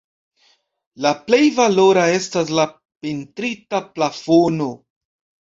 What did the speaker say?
La plej valora estas la pentrita plafono.